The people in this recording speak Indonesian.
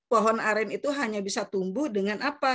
pohon aren itu hanya bisa tumbuh dengan apa